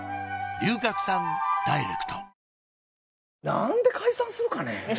なんで解散するかね？